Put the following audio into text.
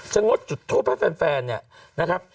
งดจุดทูปให้แฟนเนี่ยนะครับ